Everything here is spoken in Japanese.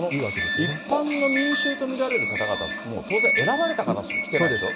この一般の民衆と見られる方々っていうのは、当然選ばれた方しか来てないでしょ？